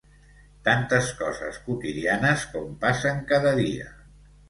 Tantes coses quotidianes com passen cada dia!